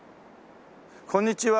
こんにちは。